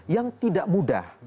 yang tidak mudah